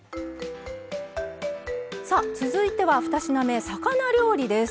さあ続いては２品目魚料理です。